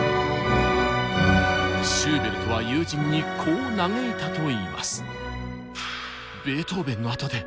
シューベルトは友人にこう嘆いたといいます。